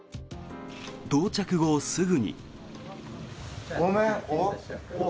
到着後すぐに。